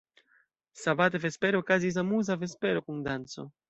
Sabate vespere okazis amuza vespero kun danco.